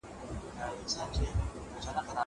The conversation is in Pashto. زه به سبزېجات تيار کړي وي.